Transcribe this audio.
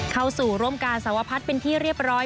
เข้าสู่ร่วมการสวพัฒน์เป็นที่เรียบร้อย